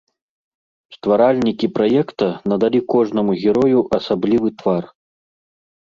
Стваральнікі праекта надалі кожнаму герою асаблівы твар.